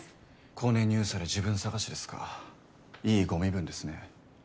コネ入社で自分探しですかいいご身分ですね。